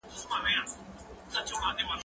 کېدای سي لاس ککړ وي،